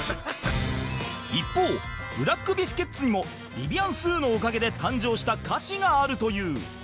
一方ブラック・ビスケッツにもビビアン・スーのおかげで誕生した歌詞があるという